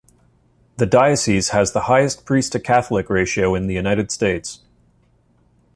The diocese has the highest priest-to-Catholic ratio in the United States.